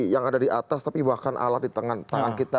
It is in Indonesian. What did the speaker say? yang ada di atas tapi bahkan alat di tangan kita